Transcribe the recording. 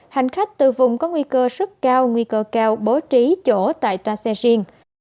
hành khách từ vùng có nguy cơ rất cao nguy cơ cao bố trí chỗ tại toa xe riêng